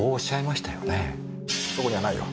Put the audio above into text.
そこにはないよ。